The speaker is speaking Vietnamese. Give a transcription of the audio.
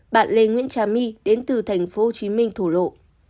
bạn lê nguyễn trà my đến từ tp hcm thổ lộ